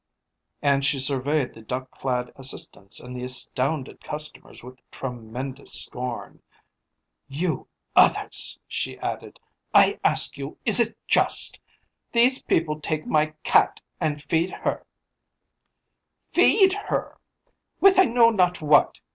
And she surveyed the duck clad assistants and the astounded customers with tremendous scorn. "You others," she added, "I ask you, is it just? These people take my cat, and feed her feed her with I know not what!